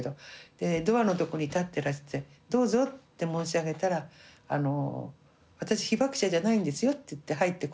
でドアのとこに立ってらして「どうぞ」って申し上げたら「私被爆者じゃないんですよ」って言って入ってこられたんですけどね。